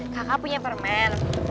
kakak punya permen